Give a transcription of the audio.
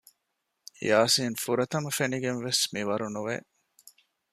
ޔާސިން ފުރަތަމަ ފެނިގެންވެސް މިވަރުނުވެ